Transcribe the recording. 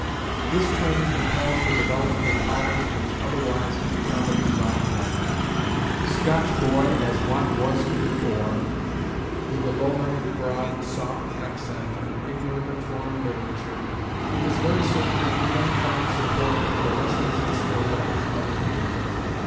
This training compels the development of powers which otherwise would probably lie dormant. Scotch boy as Watt was to the core, with the lowland broad, soft accent, and ignorant of foreign literature, it is very certain that he then found support in the lessons instilled at his mother's knee.